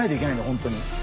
本当に。